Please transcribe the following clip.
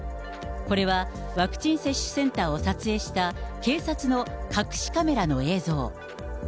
これは、ワクチン接種センターを撮影した、警察の隠しカメラの映像。